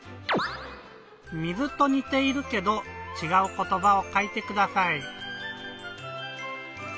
「水」とにているけどちがうことばをかいてください。